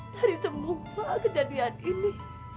dari semua kejadian ini